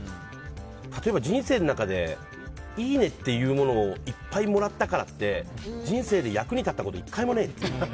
例えば人生の中でいいねというものをいっぱいもらったからって人生で役に立ったこと１回もねえ。